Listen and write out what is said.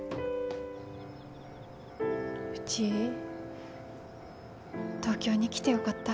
うち東京に来てよかった。